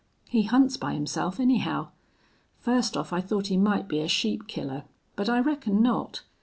He hunts by himself, anyhow. First off I thought he might be a sheep killer. But I reckon not.